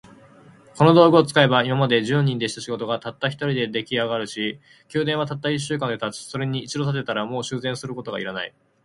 この道具を使えば、今まで十人でした仕事が、たった一人で出来上るし、宮殿はたった一週間で建つ。それに一度建てたら、もう修繕することが要らない。